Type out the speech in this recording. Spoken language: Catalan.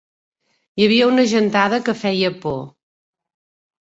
Hi havia una gentada que feia por.